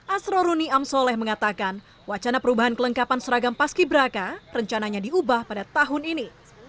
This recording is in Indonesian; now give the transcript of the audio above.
asroruni amsoleh mengatakan wacana perubahan kelengkapan seragam paski braka rencananya diubah pada tahun ini